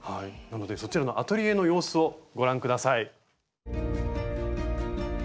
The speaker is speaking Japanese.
そちらのアトリエの様子をご覧下さい。